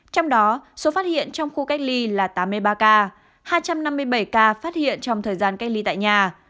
trong đó số phát hiện trong khu cách ly là tám mươi ba ca hai trăm năm mươi bảy ca phát hiện trong thời gian cách ly tại nhà